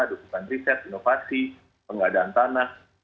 dukungan riset inovasi pengadaan tanah